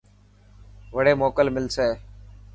وڙي موڪو ملسي.